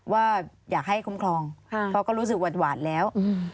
ว่าอยากให้คุ้มครองเพราะก็รู้สึกหวาดแล้ว